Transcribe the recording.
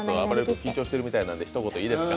緊張してるみたいなので、ひと言いいですか？